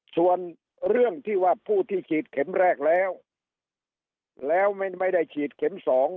ส่วนเรื่องที่ว่าผู้ที่ฉีดเข็มแรกแล้วแล้วไม่ได้ฉีดเข็ม๒